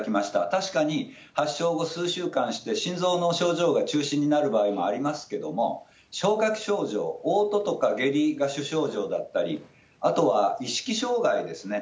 確かに発症後数週間して、心臓の症状が中心になる場合もありますけれども、消化器症状、おう吐とか下痢が主症状だったり、あとは意識障害ですね。